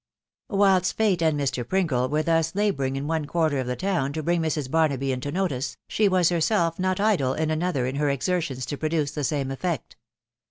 Whilst fate and Mr. Pringle were thus labouring in m quarter of the town to bring Mrs. Barnaby into notice, ik was herself not idle in another in her exertions to produce the same effect.